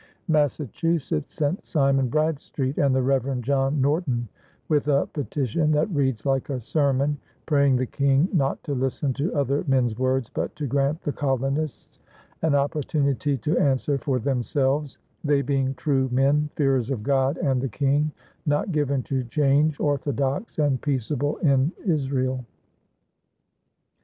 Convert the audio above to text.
Massachusetts sent Simon Bradstreet and the Reverend John Norton, with a petition that reads like a sermon, praying the King not to listen to other men's words but to grant the colonists an opportunity to answer for themselves, they being "true men, fearers of God and the King, not given to change, orthodox and peaceable in Israel."